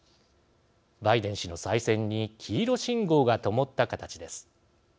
バイデン氏の再選に黄色信号がともった形です。